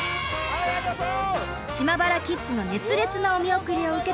島原キッズの熱烈なお見送りを受けてひむ